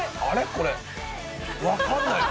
これ分かんないぞ。